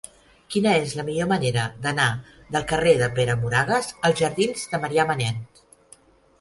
Quina és la millor manera d'anar del carrer de Pere Moragues als jardins de Marià Manent?